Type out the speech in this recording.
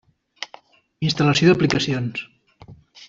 Instal·lació d'aplicacions.